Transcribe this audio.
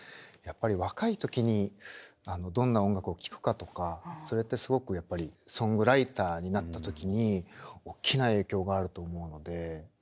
やっぱり若い時にどんな音楽を聴くかとかそれってすごくやっぱりソングライターになった時におっきな影響があると思うので。